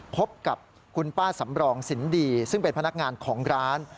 พบกับคุณป้าสำรองสินดีซึ่งเป็นพนักงานของร้าน